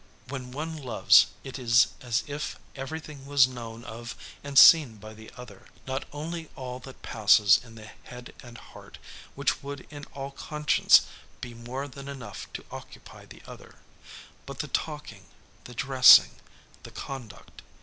When one loves, it is as if everything was known of and seen by the other; not only all that passes in the head and heart, which would in all conscience be more than enough to occupy the other, but the talking, the dressing, the conduct.